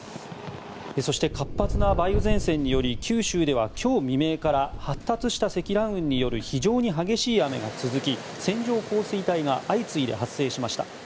そして活発な梅雨前線により九州では今日未明から発達した積乱雲による非常に激しい雨が続き線状降水帯が相次いで発生しました。